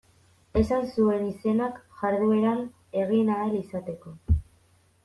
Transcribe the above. Esan zuen izenak jardueran egin ahal izateko.